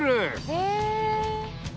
へえ！